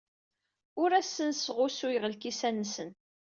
Ur asen-sɣusuyeɣ lkisan-nsen.